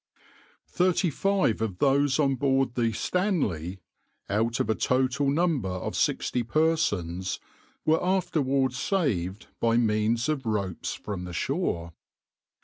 "\par Thirty five of those on board the {\itshape{Stanley}}, out of a total number of sixty persons, were afterwards saved by means of ropes from the shore.